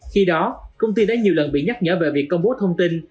khi đó công ty đã nhiều lần bị nhắc nhở về việc công bố thông tin